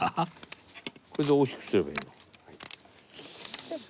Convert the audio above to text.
これで大きくすればいいの？